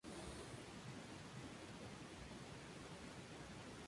En cambio si están en lados opuestos la disposición es "E".